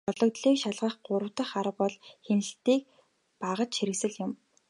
Гологдлыг шалгах гурав дахь арга бол хяналтын багажхэрэгслэл юм.